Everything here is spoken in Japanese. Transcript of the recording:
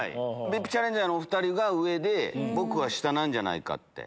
ＶＩＰチャレンジャーのお２人が上で僕は下なんじゃないかって。